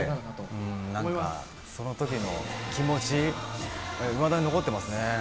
なんか、そのときの気持ち、いまだに残ってますね。